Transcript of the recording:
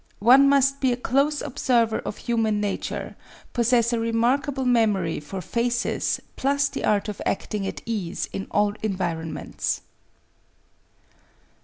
One must be a close observer of human nature, possess a remarkable memory for faces plus the art of acting at ease in all environments.